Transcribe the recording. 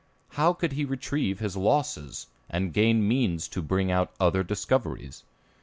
How could he retrieve his losses, and gain means to bring out other discoveries?